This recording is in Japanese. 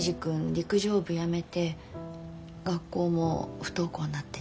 陸上部やめて学校も不登校になってって。